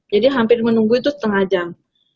jadi hampir menunggu itu setengah jam